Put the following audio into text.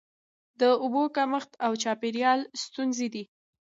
د اوبو کمښت او چاپیریال ستونزې دي.